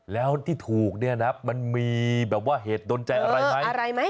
แล้วที่ถูกเนี่ยนะมันมีเหตุดนใจอะไรไม่